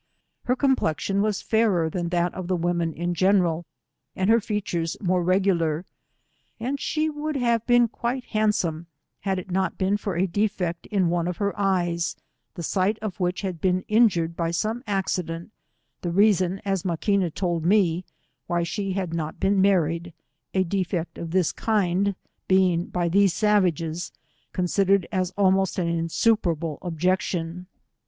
Her complexion was fairer than that of the women in general, and her features more regular, and she would have been quite handsome had it not been for a defect in one of her eyes, the sight of which had been injured by some accident, the reason, as Maquina told me, why she had not been married, a defect of this kind being by these savages considered as almost an insuperable objection.